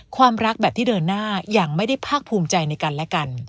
ความรักแบบที่เดินหน้าอย่างไม่ได้ภาคภูมิใจในกันและกัน